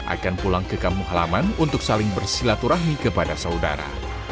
akan pulang ke kampung halaman untuk saling bersilaturahmi kepada saudara